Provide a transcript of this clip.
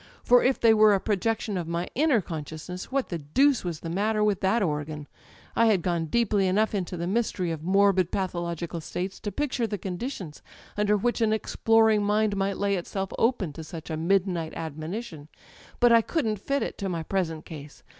For if they were a projection of my inner consciousness, what the deuce was the matter with that organ? I had gone deeply enough into the mysteiy of morbid patho logical states to picture the conditions under which an exploring mind might lay itself open to such a midnight admonition; but I couldn't fit it to my present case.